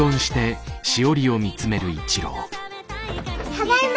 ただいま。